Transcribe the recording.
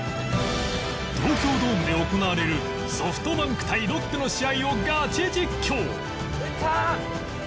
東京ドームで行われるソフトバンク対ロッテの試合をガチ実況